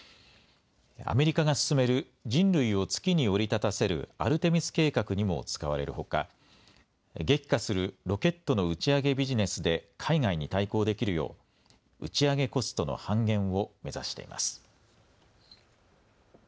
アメリカが進める人類を月に降り立たせるアルテミス計画にも使われるほか激化するロケットの打ち上げビジネスで海外に対抗できるよう打ち上げコストの半減を目指しています。